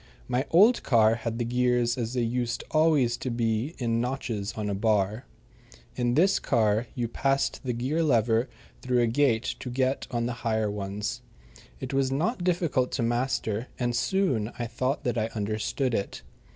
My old car had the gears as they used always to be in notches on a bar. In this car you passed the gear lever through a gate to get on the higher ones. It was not difficult to master, and soon I thought that I understood it.